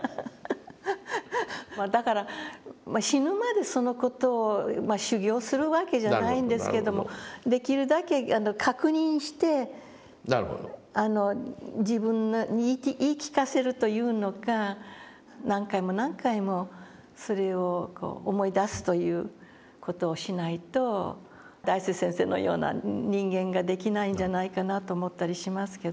まあだから死ぬまでその事を修行するわけじゃないんですけどもできるだけ確認して自分に言い聞かせるというのか何回も何回もそれを思い出すという事をしないと大拙先生のような人間ができないんじゃないかなと思ったりしますけどね。